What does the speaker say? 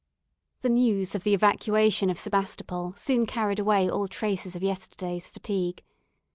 The news of the evacuation of Sebastopol soon carried away all traces of yesterday's fatigue.